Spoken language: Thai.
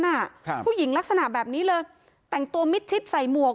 ครับผู้หญิงลักษณะแบบนี้เลยแต่งตัวมิดชิดใส่หมวก